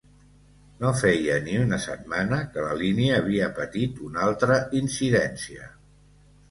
No feia ni una setmana que la línia havia patit una altra incidència.